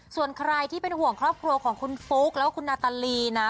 ส่วนใครที่เป็นห่วงครอบครัวของคุณฟุ๊กแล้วก็คุณนาตาลีนะ